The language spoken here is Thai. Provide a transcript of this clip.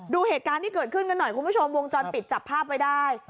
ดูเหตุการณ์ที่เกิดขึ้นกันหน่อยคุณผู้ชมวงจรปิดจับภาพไว้ได้